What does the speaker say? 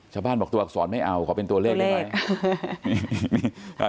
ชาวบ้านบอกตัวอักษรไม่เอาขอเป็นตัวเลขได้ไหม